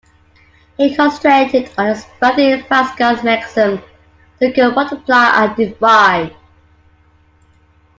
He concentrated on expanding Pascal's mechanism so it could multiply and divide.